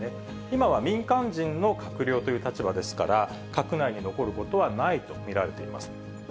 今は民間人の閣僚という立場ですから、閣内に残ることはないと見られています。